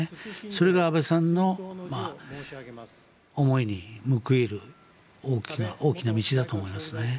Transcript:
それが安倍さんの思いに報いる大きな大きな道だと思いますね。